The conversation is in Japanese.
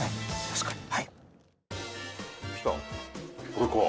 これか。